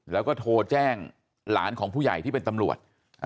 แล้วก็โทรแจ้งหลานของผู้ใหญ่ที่เป็นตำรวจ